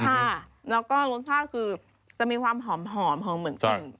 ค่ะแล้วก็รสชาติคือจะมีความหอมหอมเหมือนกัน